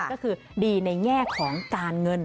ก็คือดีในแง่ของการเงิน